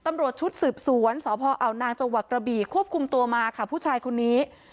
ตำรวจชุดสืบสวนสพอาวนางจังหวัดกระบีควบคุมตัวมาค่ะผู้ชายคนนี้